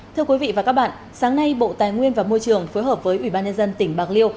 thưa quý vị và các bạn sáng nay bộ tài nguyên và môi trường phối hợp với ủy ban nhân dân tỉnh bạc liêu